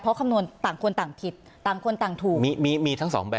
เพราะคำนวณต่างคนต่างผิดต่างคนต่างถูกมีมีทั้งสองแบบ